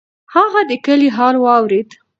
هغه د کلي حال واورېد.